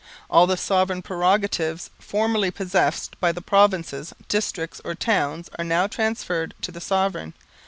All the sovereign prerogatives formerly possessed by provinces, districts or towns are now transferred to the Sovereign.